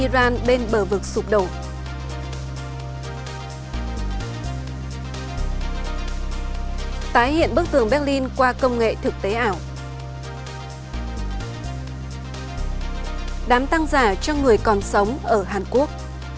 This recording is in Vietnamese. đám tăng giả cho người còn sống ở hàn quốc